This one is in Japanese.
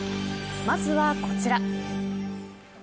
まずはこちら。